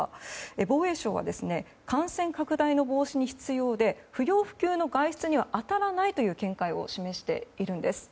防衛省は感染拡大の防止に必要で不要不急の外出には当たらないという見解を示しているんです。